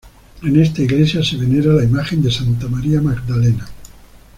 En esta iglesia se venera la imagen de Santa María Magdalena.